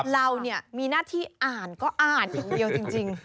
เรามีหน้าที่อ่านก็อ่านอย่างเดียวจริง